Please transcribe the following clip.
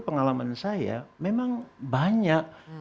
pengalaman saya memang banyak